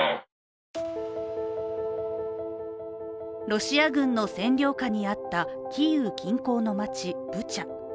ロシア軍の占領下にあったキーウ近郊の町、ブチャ。